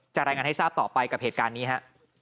รายงานให้ทราบต่อไปกับเหตุการณ์นี้ฮะ